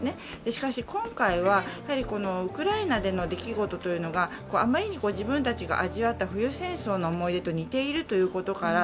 しかし、今回はウクライナでの出来事というのがあまりに自分たちが味わった冬戦争の思い出と似ていることから